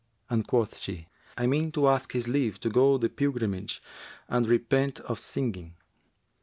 and quoth she, 'I mean to ask his leave to go the pilgrimage and repent[FN#369] of singing.'